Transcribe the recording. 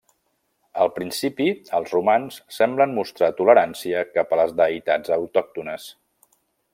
Al principi, els romans semblen mostrar tolerància cap a les deïtats autòctones.